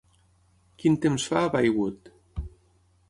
quin temps fa a Baywood.